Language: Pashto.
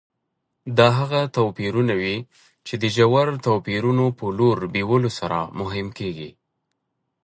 دا هغه توپیرونه وي چې د ژورو توپیرونو په لور بیولو سره مهم کېږي.